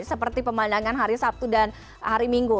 seperti pemandangan hari sabtu dan hari minggu